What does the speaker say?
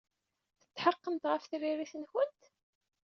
Tetḥeqqemt ɣef tririt-nkent?